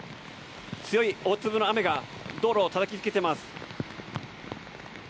強い大粒の雨が道路にたたきつけています。